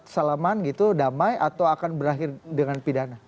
salaman gitu damai atau akan berakhir dengan pidana